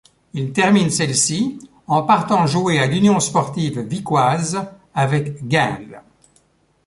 Il termine celle-ci en partant jouer à l'Union sportive vicquoise avec Guinle.